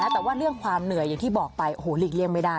แต่ว่าเรื่องความเหนื่อยอย่างที่บอกไปโอ้โหหลีกเลี่ยงไม่ได้